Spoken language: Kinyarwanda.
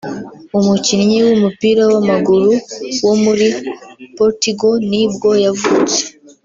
umukinnyi w’umupira w’amaguru wo muri Portugal ni bwo yavutse